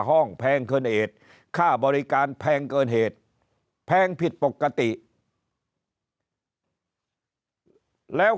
แพงเกินเหตุค่าบริการแพงเกินเหตุแพงผิดปกติแล้ว